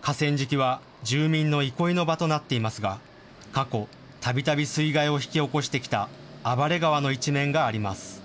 河川敷は住民の憩いの場となっていますが、過去たびたび水害を引き起こしてきた暴れ川の一面があります。